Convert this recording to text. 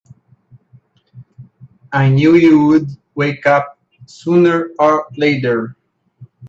I knew you'd wake up sooner or later!